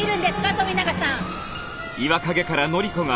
富永さん。